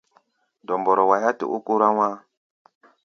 Dɔmbɔrɔ waiá tɛ ó kórá wá̧á̧.